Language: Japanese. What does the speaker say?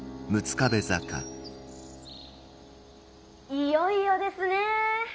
いよいよですねー！